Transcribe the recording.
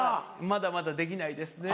まだまだできないですね。